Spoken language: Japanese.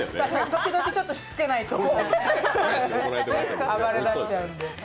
時々ちょっとしつけないと暴れ出しちゃうんで。